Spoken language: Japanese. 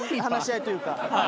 話し合いというか。